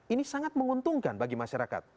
ini sangat menguntungkan bagi masyarakat